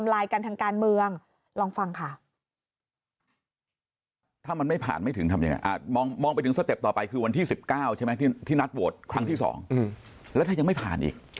แล้วถ้ายังไม่ผ่านอีก